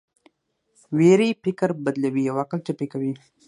ویرې فکر بدلوي او عقل ټپي کوي.